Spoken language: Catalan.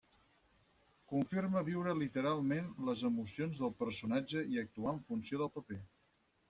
Confirma viure literalment les emocions del personatge i actuar en funció del paper.